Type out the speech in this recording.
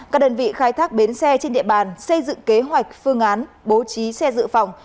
các đơn vị khai thác bến xe trên địa bàn xây dựng kế hoạch phương án bố trí xe dự phòng